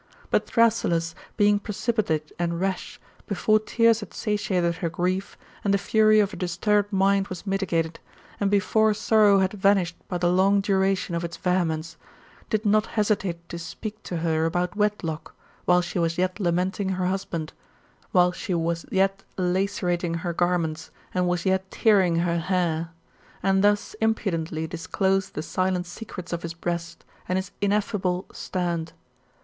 But Thrasyllus being precipitate and rash, before tears had satiated her grief, and the fury of her disturbed mind was mitigated, and before sorrow had vanished by the long duration of its vehemence, did not hesitate to speak to her about wedlock, while she was yet lamenting her husband, while she was yet lacerating her garments, and was yet tearing her hair ; and thus imprudently disclosed the silent secrets of his breast, and his ineffable fraud.